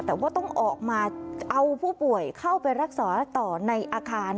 แต่ว่าต้องออกมาเอาผู้ป่วยเข้าไปรักษาต่อในอาคาร